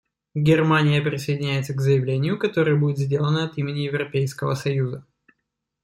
Германия присоединяется к заявлению, которое будет сделано от имени Европейского Союза.